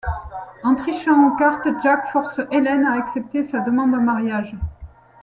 En trichant aux cartes, Jack force Helen à accepter sa demande en mariage.